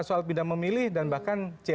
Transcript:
a lima soal pilihan memilih dan bahkan c enam